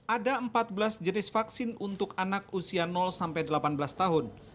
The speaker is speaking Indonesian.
ada empat belas jenis vaksin untuk anak usia sampai delapan belas tahun